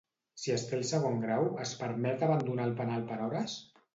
Si es té el segon grau es permet abandonar el penal per hores?